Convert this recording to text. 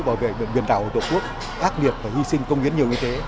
bảo vệ biển đảo của tổ quốc ác liệt và hy sinh công hiến nhiều y tế